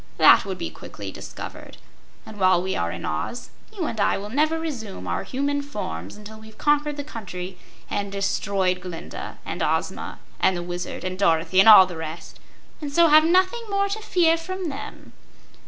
That would be quickly discovered. And while we are in Oz you and I will never resume our human forms until we've conquered the country and destroyed Glinda, and Ozma, and the Wizard, and Dorothy, and all the rest, and so have nothing more to fear from them."